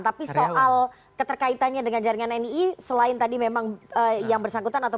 tapi soal keterkaitannya dengan jaringan nii selain tadi memang yang bersangkutan atau